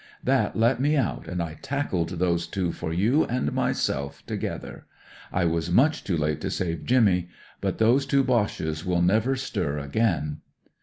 That let me out, and I tackled those two for you and myself together. I was much too late to save Jimmy; but those two Boches will never stir again.